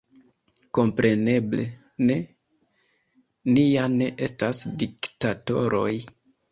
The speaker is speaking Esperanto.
Kompreneble ne – ni ja ne estas diktatoroj!